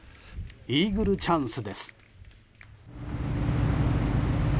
イーグルチャンスです。